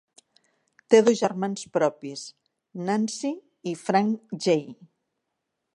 Té dos germans propis, Nancy i Frank J.